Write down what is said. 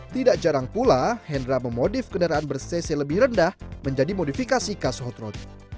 tidak jarang pula hendra memodif kendaraan ber cc lebih rendah menjadi modifikasi khas hot road